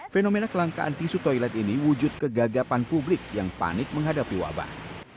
fenomena kelangkaan tisu toilet ini wujud kegagapan publik yang panik menghadapi wabah